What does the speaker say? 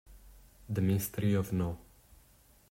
The Mystery of No.